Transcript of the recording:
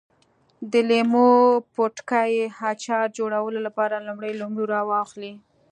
د لیمو پوټکي اچار جوړولو لپاره لومړی لیمو راواخلئ.